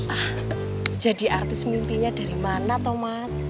ah jadi artis mimpinya dari mana thomas